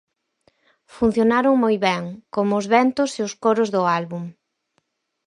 Funcionaron moi ben, como os ventos e os coros do álbum.